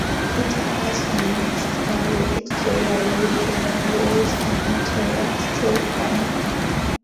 It has a unique style with exterior load-bearing walls and an interior steel frame.